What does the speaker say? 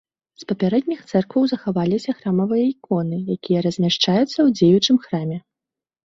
З папярэдніх цэркваў захаваліся храмавыя іконы, якія размяшчаюцца ў дзеючым храме.